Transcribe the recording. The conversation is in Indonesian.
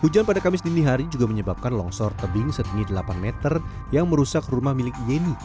hujan pada kamis dini hari juga menyebabkan longsor tebing setinggi delapan meter yang merusak rumah milik yeni